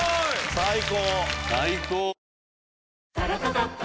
最高！